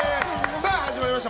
さあ、始まりました。